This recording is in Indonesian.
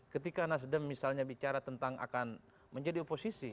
ketika nasdem misalnya bicara tentang akan menjadi oposisi